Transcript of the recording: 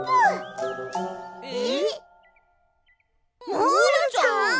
モールちゃん！？